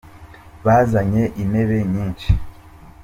Bazanye intebe nyinshi.